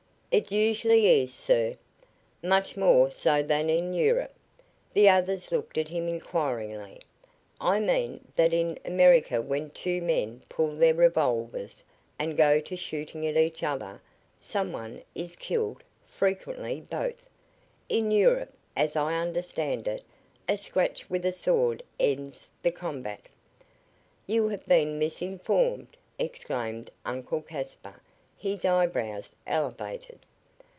"It usually is, sir. Much more so than in Europe." The others looked at him inquiringly. "I mean that in America when two men pull their revolvers and go to shooting at each other, some one is killed frequently both. In Europe, as I understand it, a scratch with a sword ends the combat." "You have been misinformed," exclaimed Uncle Caspar, his eyebrows elevated.